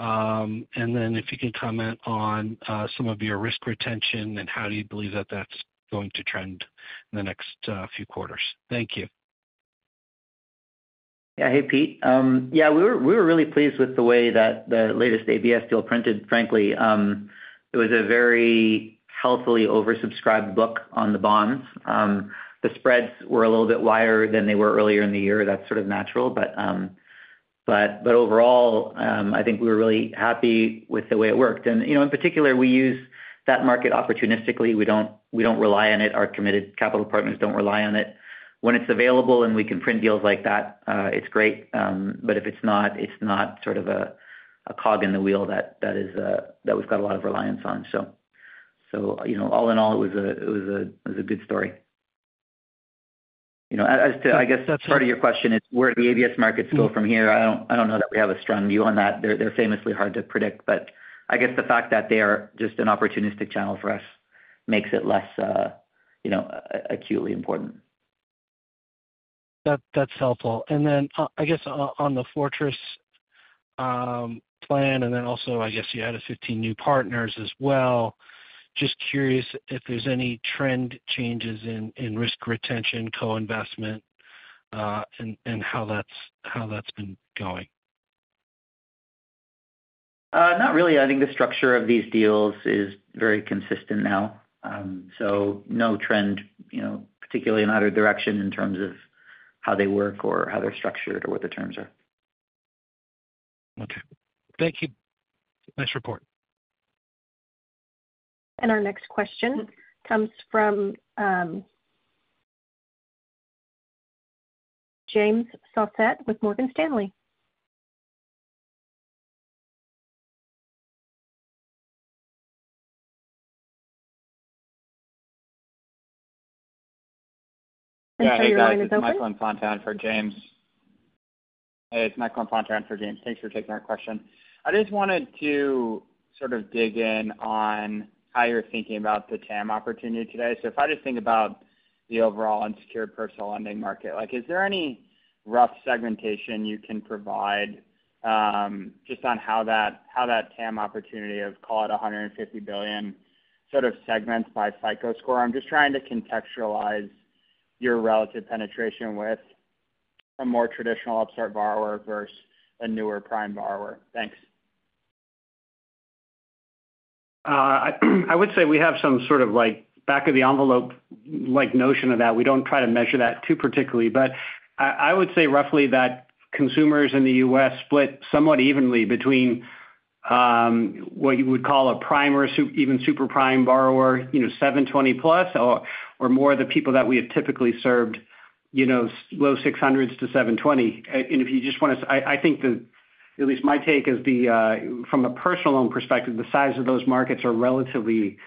If you can comment on some of your risk retention and how you believe that is going to trend in the next few quarters. Thank you. Yeah. Hey, Pete. Yeah, we were really pleased with the way that the latest ABS deal printed. Frankly, it was a very healthily oversubscribed book on the bonds. The spreads were a little bit wider than they were earlier in the year. That is sort of natural. Overall, I think we were really happy with the way it worked. In particular, we use that market opportunistically. We do not rely on it. Our committed capital partners do not rely on it. When it is available and we can print deals like that, it is great. If it is not, it is not sort of a cog in the wheel that we have a lot of reliance on. All in all, it was a good story. As to, I guess, part of your question is where the ABS markets go from here. I do not know that we have a strong view on that. They are famously hard to predict. I guess the fact that they are just an opportunistic channel for us makes it less acutely important. That is helpful. I guess on the Fortress plan, and then also, I guess you had 15 new partners as well. Just curious if there is any trend changes in risk retention, co-investment, and how that has been going. Not really. I think the structure of these deals is very consistent now. No trend, particularly in either direction in terms of how they work or how they are structured or what the terms are. Okay. Thank you. Nice report. Our next question comes from James Faucette with Morgan Stanley. Hey, Ryan, it's open. Yeah, hey, Ryan. Michael Infante for James. Hey, it's Michael Infante for James. Thanks for taking our question. I just wanted to sort of dig in on how you're thinking about the TAM opportunity today. If I just think about the overall unsecured personal lending market, is there any rough segmentation you can provide just on how that TAM opportunity of, call it, $150 billion, sort of segments by FICO score? I'm just trying to contextualize your relative penetration with a more traditional Upstart borrower versus a newer prime borrower. Thanks. I would say we have some sort of back-of-the-envelope notion of that. We don't try to measure that too particularly. But I would say roughly that consumers in the U.S. split somewhat evenly between what you would call a prime or even super prime borrower, 720+ or more, the people that we have typically served, low 600s to 720. If you just want to, I think that at least my take is, from a personal loan perspective, the size of those markets are relatively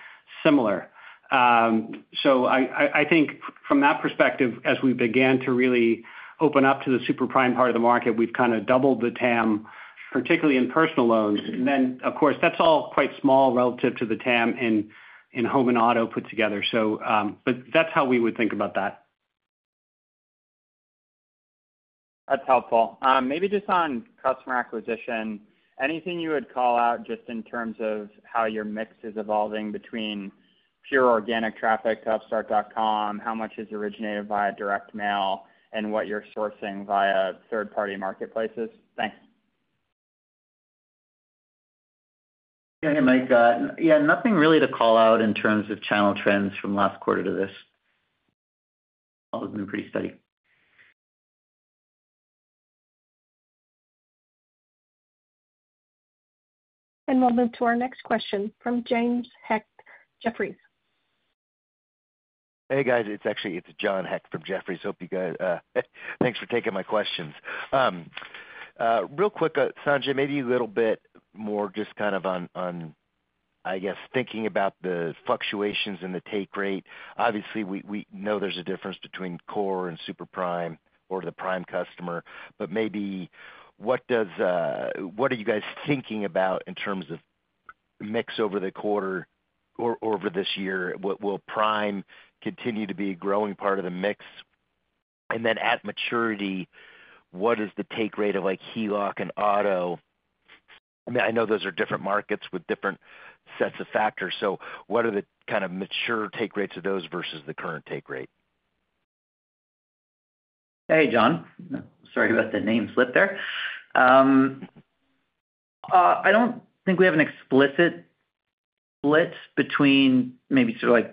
similar. I think from that perspective, as we began to really open up to the super prime part of the market, we've kind of doubled the TAM, particularly in personal loans. Of course, that's all quite small relative to the TAM in home and auto put together. That's how we would think about that. That's helpful. Maybe just on customer acquisition, anything you would call out just in terms of how your mix is evolving between pure organic traffic to upstart.com, how much is originated via direct mail, and what you're sourcing via third-party marketplaces? Thanks. Yeah, hey, Mike. Yeah, nothing really to call out in terms of channel trends from last quarter to this. All has been pretty steady. We'll move to our next question from James Heck Jefferies. Hey, guys. It's actually John Heck from Jefferies. Hope you got thanks for taking my questions. Real quick, Sanjay, maybe a little bit more just kind of on, I guess, thinking about the fluctuations in the take rate. Obviously, we know there's a difference between core and super prime or the prime customer. But maybe what are you guys thinking about in terms of mix over the quarter or over this year? Will prime continue to be a growing part of the mix? And then at maturity, what is the take rate of HELOC and auto? I mean, I know those are different markets with different sets of factors. What are the kind of mature take rates of those versus the current take rate? Hey, John. Sorry about the name slip there. I do not think we have an explicit split between maybe sort of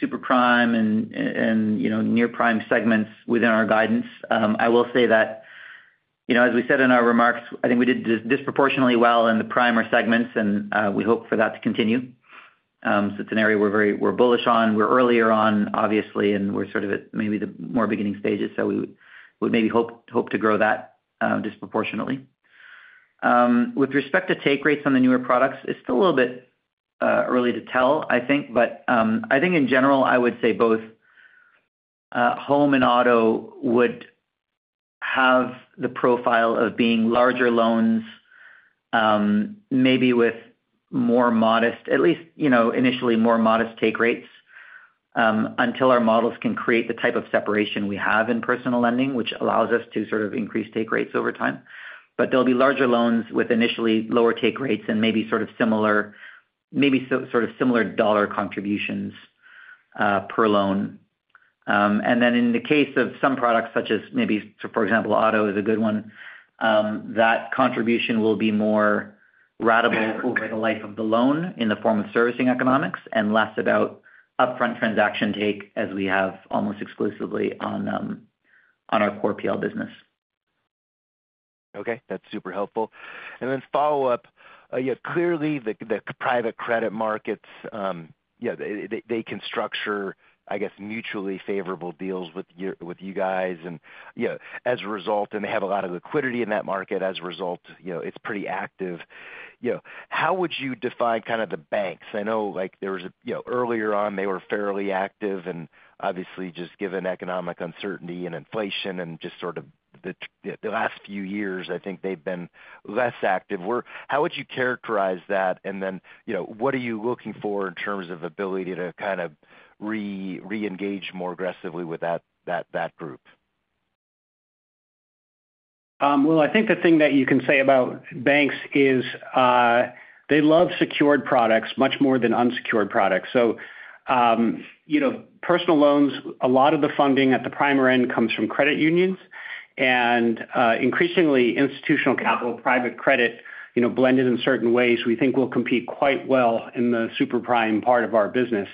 super prime and near-prime segments within our guidance. I will say that, as we said in our remarks, I think we did disproportionately well in the prime segments, and we hope for that to continue. It is an area we are bullish on. We are earlier on, obviously, and we are sort of at maybe the more beginning stages. We maybe hope to grow that disproportionately. With respect to take rates on the newer products, it's still a little bit early to tell, I think. I think, in general, I would say both home and auto would have the profile of being larger loans, maybe with more modest, at least initially more modest take rates until our models can create the type of separation we have in personal lending, which allows us to sort of increase take rates over time. There'll be larger loans with initially lower take rates and maybe sort of similar, maybe sort of similar dollar contributions per loan. In the case of some products, such as maybe, for example, auto is a good one, that contribution will be more ratable over the life of the loan in the form of servicing economics and less about upfront transaction take as we have almost exclusively on our core PL business. Okay. That's super helpful. And then follow-up, clearly, the private credit markets, yeah, they can structure, I guess, mutually favorable deals with you guys. And as a result, and they have a lot of liquidity in that market, as a result, it's pretty active. How would you define kind of the banks? I know there was earlier on, they were fairly active. And obviously, just given economic uncertainty and inflation and just sort of the last few years, I think they've been less active. How would you characterize that? And then what are you looking for in terms of ability to kind of re-engage more aggressively with that group? I think the thing that you can say about banks is they love secured products much more than unsecured products. So personal loans, a lot of the funding at the primer end comes from credit unions. Increasingly, institutional capital, private credit blended in certain ways, we think will compete quite well in the super prime part of our business.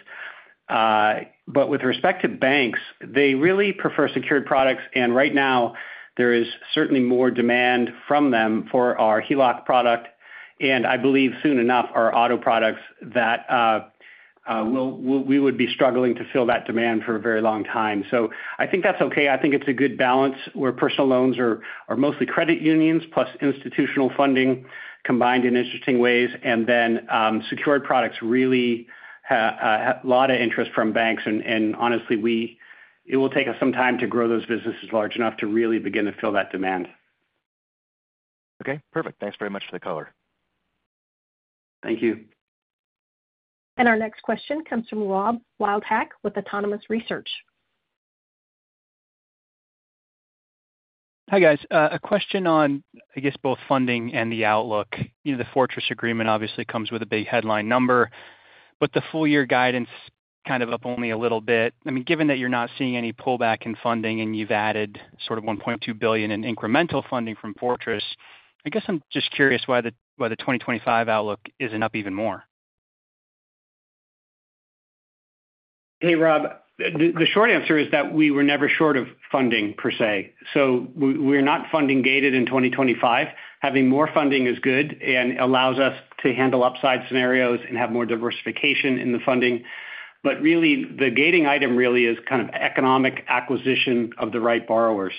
With respect to banks, they really prefer secured products. Right now, there is certainly more demand from them for our HELOC product. I believe soon enough, our auto products that we would be struggling to fill that demand for a very long time. I think that's okay. I think it's a good balance where personal loans are mostly credit unions plus institutional funding combined in interesting ways. Secured products really have a lot of interest from banks. Honestly, it will take us some time to grow those businesses large enough to really begin to fill that demand. Perfect. Thanks very much for the color. Thank you. Our next question comes from Rob Wildhack with Autonomous Research. Hi, guys. A question on, I guess, both funding and the outlook. The Fortress agreement obviously comes with a big headline number. The full-year guidance kind of up only a little bit. I mean, given that you're not seeing any pullback in funding and you've added sort of $1.2 billion in incremental funding from Fortress, I guess I'm just curious why the 2025 outlook isn't up even more. Hey, Rob. The short answer is that we were never short of funding per se. We're not funding gated in 2025. Having more funding is good and allows us to handle upside scenarios and have more diversification in the funding. The gating item really is kind of economic acquisition of the right borrowers.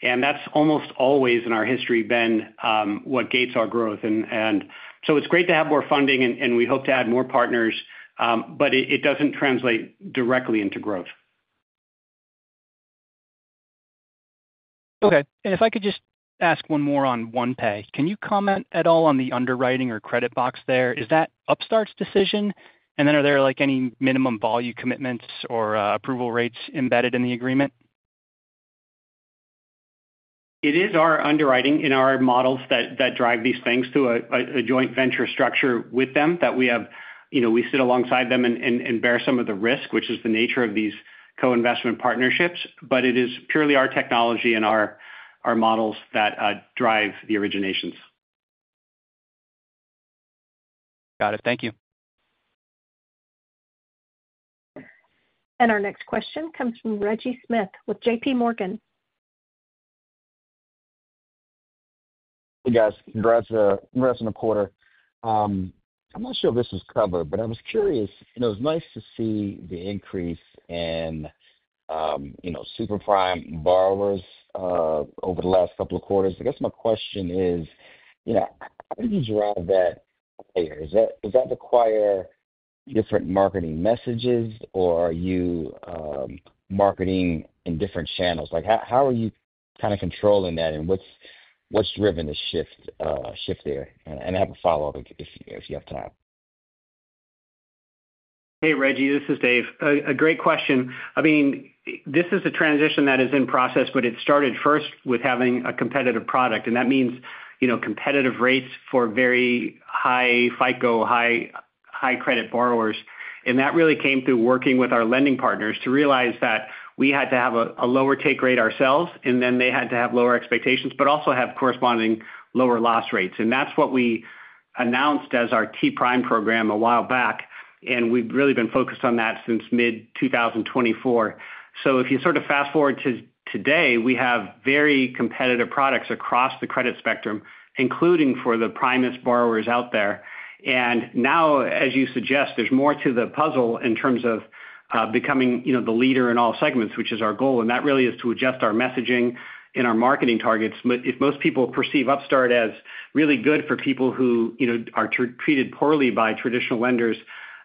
That's almost always in our history been what gates our growth. It's great to have more funding, and we hope to add more partners. But it doesn't translate directly into growth. Okay. If I could just ask one more on OnePay. Can you comment at all on the underwriting or credit box there? Is that Upstart's decision? Are there any minimum volume commitments or approval rates embedded in the agreement? It is our underwriting and our models that drive these things to a joint venture structure with them. We sit alongside them and bear some of the risk, which is the nature of these co-investment partnerships. It is purely our technology and our models that drive the originations. Got it. Thank you. Our next question comes from Reggie Smith with JPMorgan. Hey, guys. Congrats on a quarter. I'm not sure if this is covered, but I was curious. It was nice to see the increase in super prime borrowers over the last couple of quarters. I guess my question is, how do you drive that? Is that to acquire different marketing messages, or are you marketing in different channels? How are you kind of controlling that, and what has driven the shift there? I have a follow-up if you have time. Hey, Reggie. This is Dave. A great question. I mean, this is a transition that is in process, but it started first with having a competitive product. That means competitive rates for very high FICO, high credit borrowers. That really came through working with our lending partners to realize that we had to have a lower take rate ourselves, and then they had to have lower expectations, but also have corresponding lower loss rates. That is what we announced as our T-Prime program a while back. We have really been focused on that since mid-2024. If you sort of fast forward to today, we have very competitive products across the credit spectrum, including for the primest borrowers out there. Now, as you suggest, there is more to the puzzle in terms of becoming the leader in all segments, which is our goal. That really is to adjust our messaging and our marketing targets. If most people perceive Upstart as really good for people who are treated poorly by traditional lenders,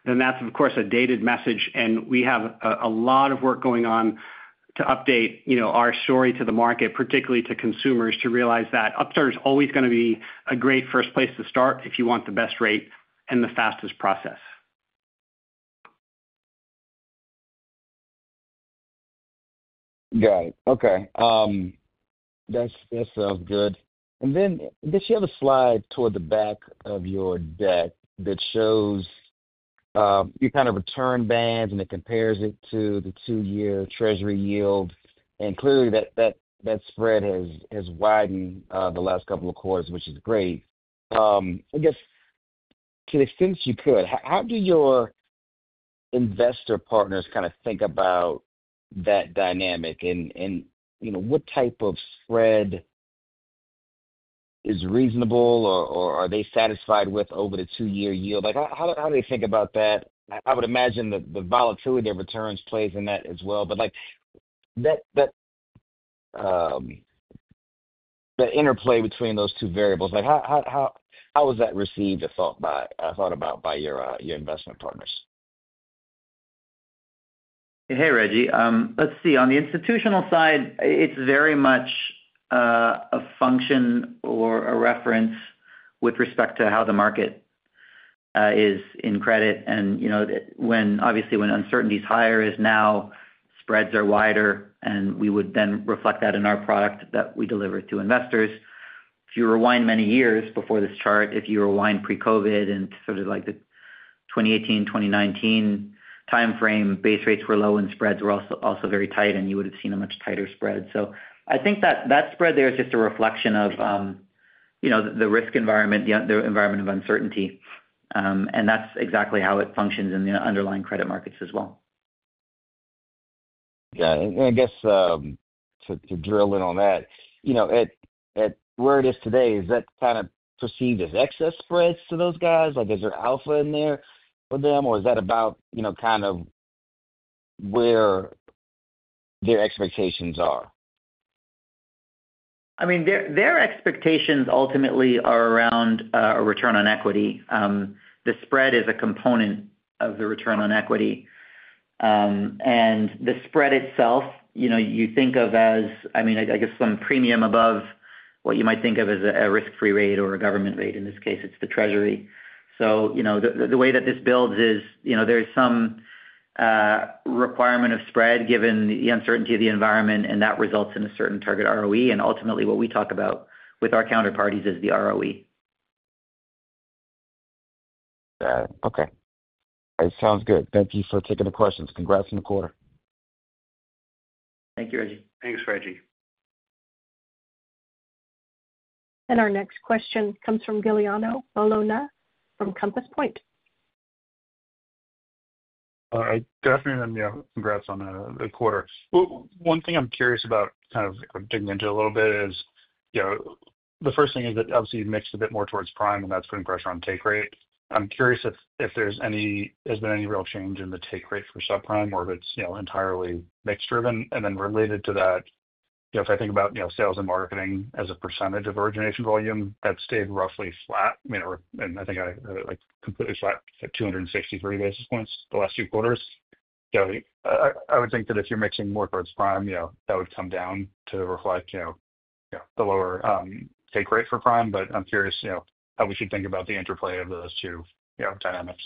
then that is, of course, a dated message. We have a lot of work going on to update our story to the market, particularly to consumers, to realize that Upstart is always going to be a great first place to start if you want the best rate and the fastest process. Got it. Okay. That sounds good. I guess you have a slide toward the back of your deck that shows your kind of return bands, and it compares it to the two-year treasury yield. Clearly, that spread has widened the last couple of quarters, which is great. I guess to the extent you could, how do your investor partners kind of think about that dynamic? What type of spread is reasonable, or are they satisfied with over the two-year yield? How do they think about that? I would imagine the volatility of returns plays in that as well. That interplay between those two variables, how was that received or thought about by your investment partners? Hey, Reggie. Let's see. On the institutional side, it's very much a function or a reference with respect to how the market is in credit. Obviously, when uncertainty is higher, now spreads are wider, and we would then reflect that in our product that we deliver to investors. If you rewind many years before this chart, if you rewind pre-COVID and sort of the 2018, 2019 timeframe, base rates were low and spreads were also very tight, and you would have seen a much tighter spread. I think that spread there is just a reflection of the risk environment, the environment of uncertainty. That is exactly how it functions in the underlying credit markets as well. Got it. I guess to drill in on that, at where it is today, is that kind of perceived as excess spreads to those guys? Is there alpha in there for them, or is that about kind of where their expectations are? I mean, their expectations ultimately are around a return on equity. The spread is a component of the return on equity. The spread itself, you think of as, I mean, I guess some premium above what you might think of as a risk-free rate or a government rate. In this case, it is the treasury. The way that this builds is there is some requirement of spread given the uncertainty of the environment, and that results in a certain target ROE. Ultimately, what we talk about with our counterparties is the ROE. Got it. Okay. That sounds good. Thank you for taking the questions. Congrats on the quarter. Thank you, Reggie. Thanks, Reggie. Our next question comes from Giuliano Bologna from Compass Point. Hi, Dave. And congrats on the quarter. One thing I'm curious about kind of digging into a little bit is the first thing is that obviously you've mixed a bit more towards prime, and that's putting pressure on take rate. I'm curious if there has been any real change in the take rate for subprime or if it's entirely mix-driven. And then related to that, if I think about sales and marketing as a percentage of origination volume, that stayed roughly flat. I mean, and I think completely flat at 263 basis points the last two quarters. I would think that if you're mixing more towards prime, that would come down to reflect the lower take rate for prime. I'm curious how we should think about the interplay of those two dynamics.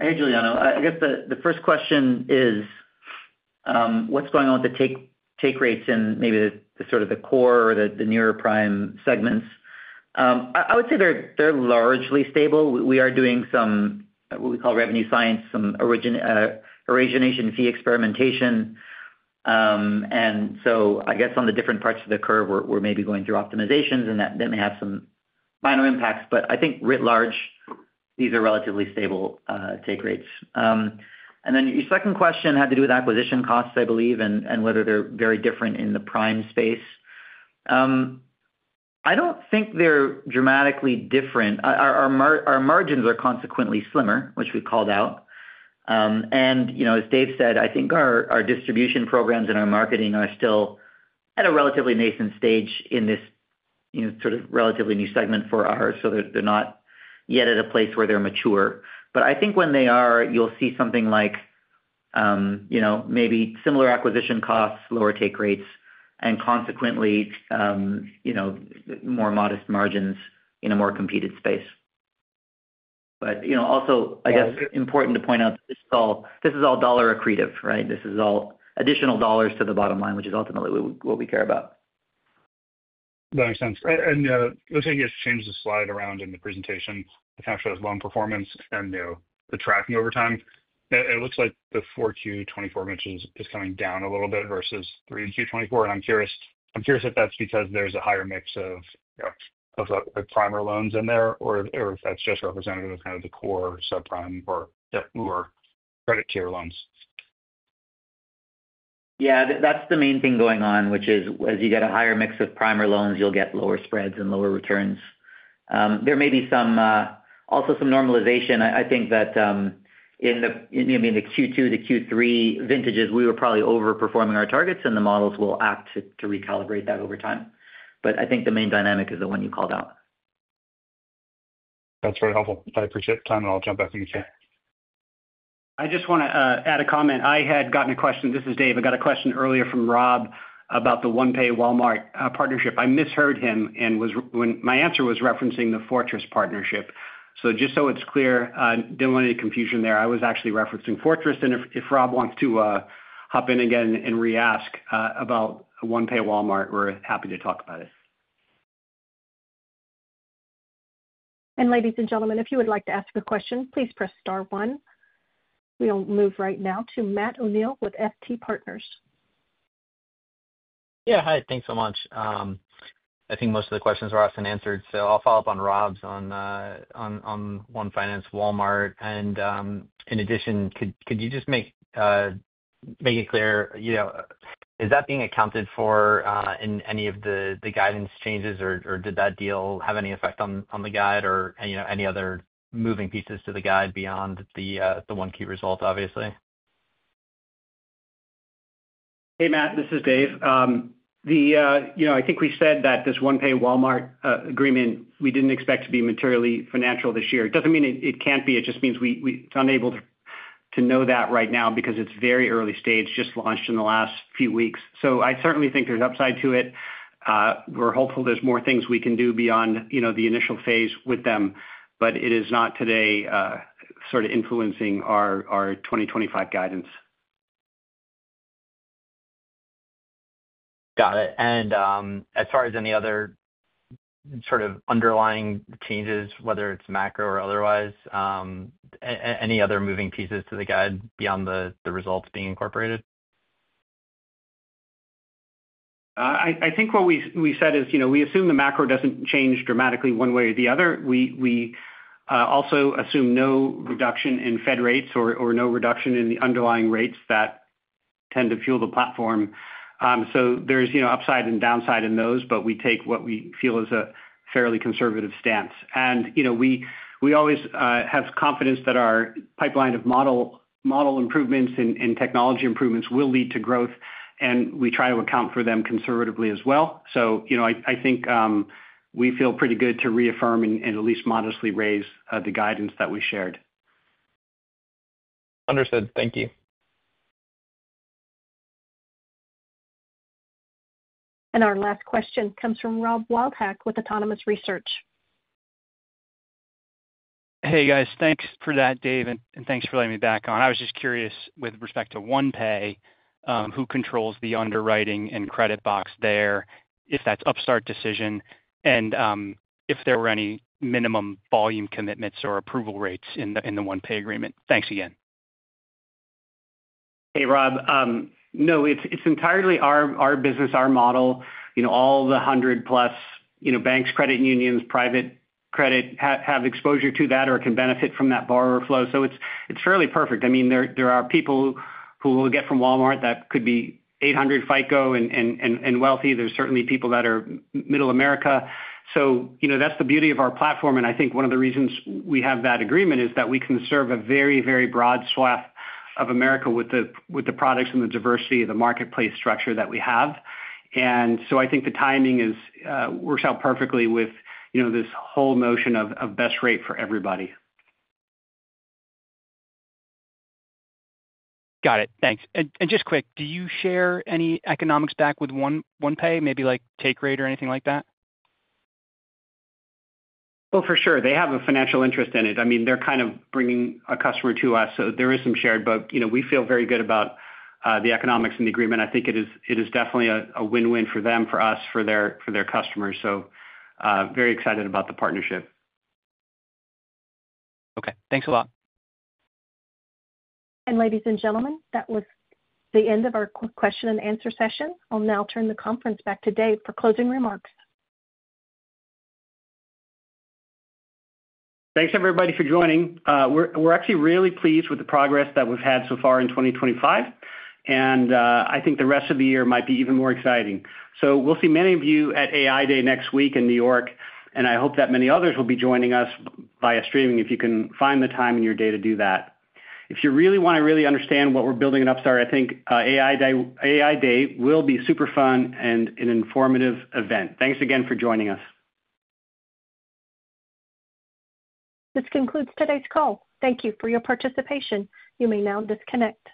Hey, Giuliano. I guess the first question is, what's going on with the take rates in maybe sort of the core or the nearer prime segments? I would say they're largely stable. We are doing some what we call revenue science, some origination fee experimentation. I guess on the different parts of the curve, we're maybe going through optimizations, and that may have some minor impacts. I think writ large, these are relatively stable take rates. Your second question had to do with acquisition costs, I believe, and whether they're very different in the prime space. I don't think they're dramatically different. Our margins are consequently slimmer, which we called out. As Dave said, I think our distribution programs and our marketing are still at a relatively nascent stage in this sort of relatively new segment for ours. They're not yet at a place where they're mature. I think when they are, you'll see something like maybe similar acquisition costs, lower take rates, and consequently more modest margins in a more competed space. I guess important to point out that this is all dollar accretive, right? This is all additional dollars to the bottom line, which is ultimately what we care about. That makes sense. It looks like you just changed the slide around in the presentation to kind of show the loan performance and the tracking over time. It looks like the 4Q 2024 mix is coming down a little bit versus 3Q 2024. I'm curious if that's because there's a higher mix of prime loans in there or if that's just representative of kind of the core subprime or credit tier loans. Yeah. That's the main thing going on, which is as you get a higher mix of primer loans, you'll get lower spreads and lower returns. There may be also some normalization. I think that in the Q2 to Q3 vintages, we were probably overperforming our targets, and the models will act to recalibrate that over time. I think the main dynamic is the one you called out. That's very helpful. I appreciate the time, and I'll jump back in the chat. I just want to add a comment. I had gotten a question. This is Dave. I got a question earlier from Rob about the OnePay Walmart partnership. I misheard him. My answer was referencing the Fortress partnership. Just so it's clear, I didn't want any confusion there. I was actually referencing Fortress. If Rob wants to hop in again and re-ask about OnePay Walmart, we're happy to talk about it. Ladies and gentlemen, if you would like to ask a question, please press star one. We'll move right now to Matt O'Neill with FT Partners. Yeah. Hi. Thanks so much. I think most of the questions were asked and answered. I'll follow up on Rob's on OnePay Walmart. In addition, could you just make it clear, is that being accounted for in any of the guidance changes, or did that deal have any effect on the guide or any other moving pieces to the guide beyond the one key result, obviously? Hey, Matt. This is Dave. I think we said that this OnePay Walmart agreement, we didn't expect to be materially financial this year. It doesn't mean it can't be. It just means it's unable to know that right now because it's very early stage, just launched in the last few weeks. I certainly think there's upside to it. We're hopeful there's more things we can do beyond the initial phase with them, but it is not today sort of influencing our 2025 guidance. Got it. As far as any other sort of underlying changes, whether it's macro or otherwise, any other moving pieces to the guide beyond the results being incorporated? I think what we said is we assume the macro doesn't change dramatically one way or the other. We also assume no reduction in Fed rates or no reduction in the underlying rates that tend to fuel the platform. There's upside and downside in those, but we take what we feel is a fairly conservative stance. We always have confidence that our pipeline of model improvements and technology improvements will lead to growth, and we try to account for them conservatively as well. I think we feel pretty good to reaffirm and at least modestly raise the guidance that we shared. Understood. Thank you. Our last question comes from Rob Wildhack with Autonomous Research. Hey, guys. Thanks for that, Dave. Thanks for letting me back on. I was just curious with respect to OnePay, who controls the underwriting and credit box there, if that's Upstart's decision, and if there were any minimum volume commitments or approval rates in the OnePay agreement. Thanks again. Hey, Rob. No, it's entirely our business, our model. All the 100-plus banks, credit unions, private credit have exposure to that or can benefit from that borrower flow. It's fairly perfect. I mean, there are people who will get from Walmart that could be 800 FICO and wealthy. There are certainly people that are Middle America. That is the beauty of our platform. I think one of the reasons we have that agreement is that we can serve a very, very broad swath of America with the products and the diversity of the marketplace structure that we have. I think the timing works out perfectly with this whole notion of best rate for everybody. Got it. Thanks. Just quick, do you share any economics back with OnePay, maybe like take rate or anything like that? Oh, for sure. They have a financial interest in it. I mean, they are kind of bringing a customer to us. There is some shared, but we feel very good about the economics and the agreement. I think it is definitely a win-win for them, for us, for their customers. Very excited about the partnership. Okay. Thanks a lot. Ladies and gentlemen, that was the end of our quick question and answer session. I'll now turn the conference back to Dave for closing remarks. Thanks, everybody, for joining. We're actually really pleased with the progress that we've had so far in 2025. I think the rest of the year might be even more exciting. We'll see many of you at AI Day next week in New York, and I hope that many others will be joining us via streaming if you can find the time in your day to do that. If you really want to really understand what we're building at Upstart, I think AI Day will be super fun and an informative event. Thanks again for joining us. This concludes today's call. Thank you for your participation. You may now disconnect. Good.